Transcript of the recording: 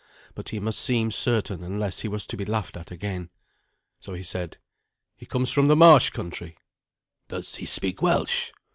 But he must seem certain unless he was to be laughed at again. So he said, "He comes from the marsh country." "Does he speak Welsh?"